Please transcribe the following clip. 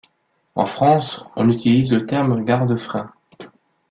En France on utilise le terme garde-frein.